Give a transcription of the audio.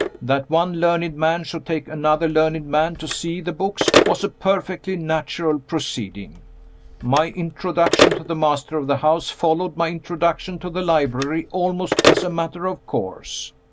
That one learned man should take another learned man to see the books was a perfectly natural proceeding. My introduction to the master of the house followed my introduction to the library almost as a matter of course.